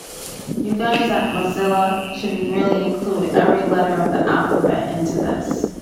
You guys at Mozilla should really include every letter of the alphabet into this.